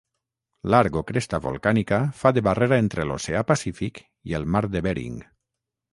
L'arc o cresta volcànica fa de barrera entre l'Oceà Pacífic i el Mar de Bering.